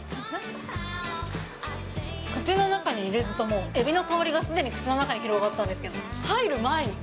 口の中に入れずとも、エビの香りがすでに口の中に広がったんですけど、入る前に。